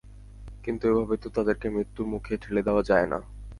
কিন্ত এভাবে তো তাদেরকে মৃত্যুর মুখে ঠেলে দেওয়া যায় না।